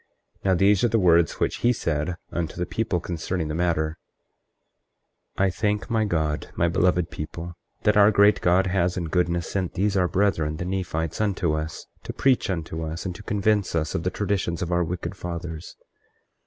24:7 Now, these are the words which he said unto the people concerning the matter: I thank my God, my beloved people, that our great God has in goodness sent these our brethren, the Nephites, unto us to preach unto us, and to convince us of the traditions of our wicked fathers.